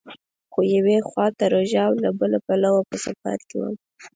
خو یوې خوا ته روژه او له بله پلوه په سفر کې وم.